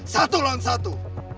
satu lawan satu